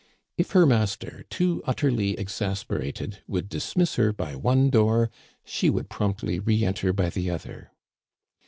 If her master, too utterly exasperated, would dismiss her by one door, she would promptly re enter by the other.